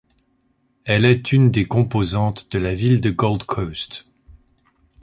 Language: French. Elle est une des composantes de la ville de Gold Coast.